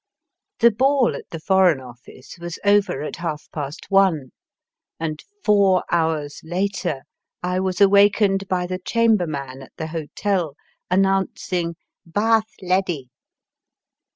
The ball at the Foreign Office was over at half past one, and four hours later I was awakened by the chamberman at the hotel announcing ^* bath leddy."